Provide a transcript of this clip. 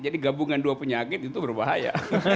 jadi gabungan dua penyakit itu berbahaya